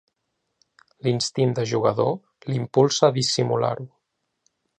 L'instint de jugador l'impulsa a dissimular-ho.